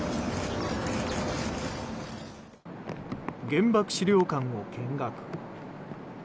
原爆資料館を見学。